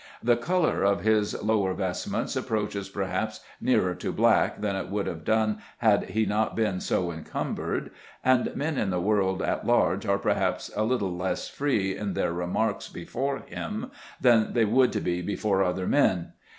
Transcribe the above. The colour of his lower vestments approaches perhaps nearer to black than it would have done had he not been so encumbered, and men in the world at large are perhaps a little less free in their remarks before him than they would be before other men.